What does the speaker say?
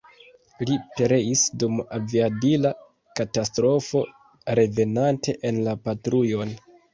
Li pereis dum aviadila katastrofo revenante en la patrujon.